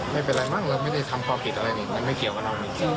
แต่ถ้าไม่เป็นไรก็ไม่รู้ว่ามันเบื้องที่เขามีอะไรถึงขนาดไหนล่ะ